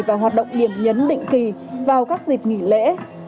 và hoạt động điểm nhấn định kỳ vào các dịp nghỉ lễ